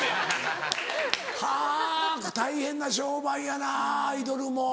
はぁ大変な商売やなアイドルも。